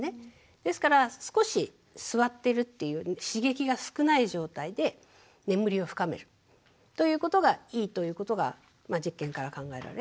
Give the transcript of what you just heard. ですから少し座ってるっていう刺激が少ない状態で眠りを深めるということがいいということが実験から考えられ。